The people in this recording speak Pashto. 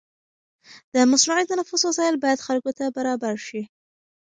د مصنوعي تنفس وسایل باید خلکو ته برابر شي.